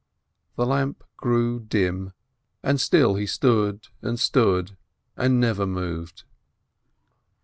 The lamp grew dim, and still he stood and stood and never moved.